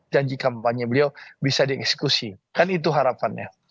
janji kampanye beliau bisa dieksekusi kan itu harapannya